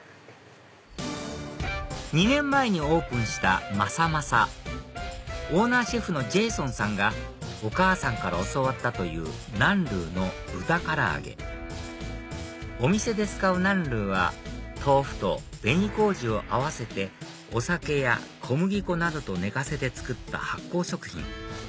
２年前にオープンしたＭＡＳＡＫＭＡＳＡＫオーナーシェフのジェイソンさんがお母さんから教わったという南乳の豚唐揚げお店で使う南乳は豆腐と紅こうじを合わせてお酒や小麦粉などと寝かせて作った発酵食品